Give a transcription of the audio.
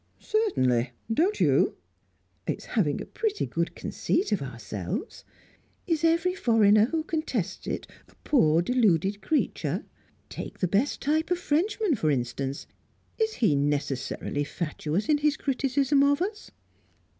"Certainly. Don't you?" "It's having a pretty good conceit of ourselves. Is every foreigner who contests it a poor deluded creature? Take the best type of Frenchman, for instance. Is he necessarily fatuous in his criticism of us?"